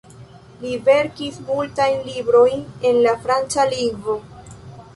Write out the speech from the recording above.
Li verkis multajn librojn en la franca lingvo.